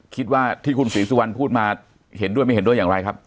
คิดว่าที่คุณศรีสุวรรณพูดมาเห็นด้วยไม่เห็นด้วยอย่างไรครับ